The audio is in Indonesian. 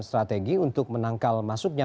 strategi untuk menangkal masuknya